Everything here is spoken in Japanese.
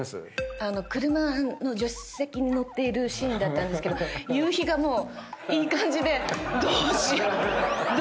車の助手席に乗っているシーンだったんですけど夕日がもういい感じでどうしようどうしようって。